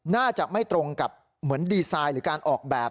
น่าจะไม่ตรงกับเหมือนดีไซน์หรือการออกแบบ